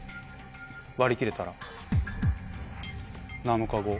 割り切れたら７日後。